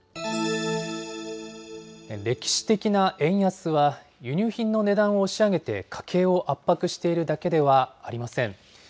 歴史的な円安は、輸入品の値段を押し上げて家計を圧迫しているだけではありません。